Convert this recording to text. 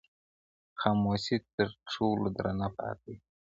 • خاموسي تر ټولو درنه پاتې وي..